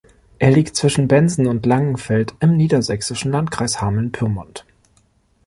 Er liegt zwischen Bensen und Langenfeld im niedersächsischen Landkreis Hameln-Pyrmont.